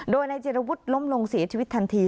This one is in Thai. โดยนายจิรวุฒิล้มลงเสียชีวิตทันที